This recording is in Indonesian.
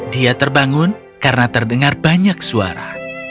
dia terbangun karena terdengar banyak suara